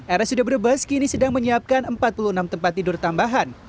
rsud brebes kini sedang menyiapkan empat puluh enam tempat tidur tambahan